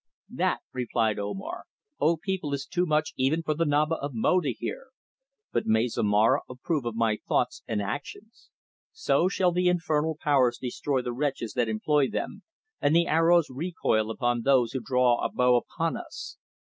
"That," replied Omar, "O people, is too much even for the Naba of Mo to hear. But may Zomara approve of my thoughts and actions! So shall the infernal powers destroy the wretches that employ them, and the arrows recoil upon those who draw a bow upon us.